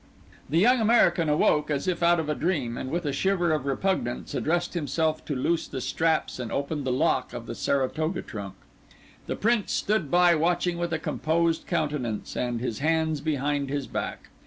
The young American awoke as if out of a dream, and with a shiver of repugnance addressed himself to loose the straps and open the lock of the Saratoga trunk. The Prince stood by, watching with a composed countenance and his hands behind his back.